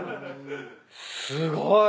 すごい。